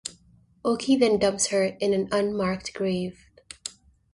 Oki then dumps her in an unmarked grave.